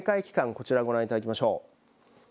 こちらご覧いただきましょう。